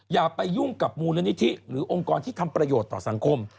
อย่าไปยุ่งกับมูลนิธิหรือองค์กรที่ทำประโยชน์ต่อสังคม